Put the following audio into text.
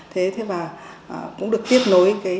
thế và cũng được tiếp nối cái